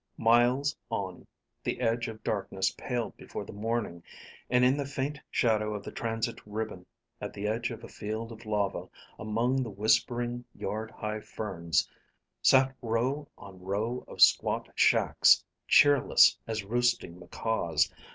Miles on, the edge of darkness paled before the morning and in the faint shadow of the transit ribbon, at the edge of a field of lava, among the whispering, yard high ferns, sat row on row of squat shacks, cheerless as roosting macaws.